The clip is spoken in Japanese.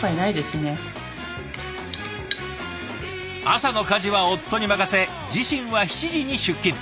朝の家事は夫に任せ自身は７時に出勤。